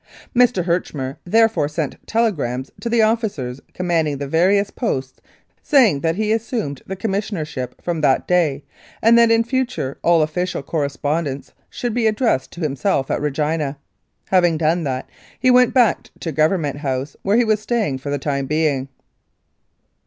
Mr. Herchmer therefore sent telegrams to the officers commanding the various posts saying that he assumed the Commissionership from that day, and that in future all official correspondence should be addressed to himself at Regina. Having done that, he went back to Government House, where he was staying for the time being.